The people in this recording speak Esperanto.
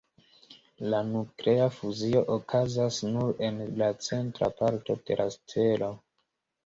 La nuklea fuzio okazas nur en la centra parto de la stelo.